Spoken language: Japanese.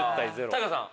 ＴＡＩＧＡさん